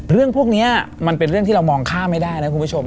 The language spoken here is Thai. เรื่องพวกนี้มันเป็นเรื่องที่เรามองข้ามไม่ได้นะคุณผู้ชม